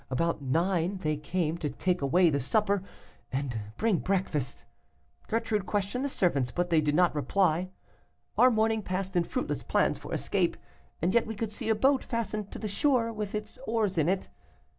About nine they came to take away the supper and bring breakfast. Gertrude questioned the servants, but they did not reply. Our morning passed in fruitless plans for escape, and yet we could see a boat fastened to the shore, with its oars in it.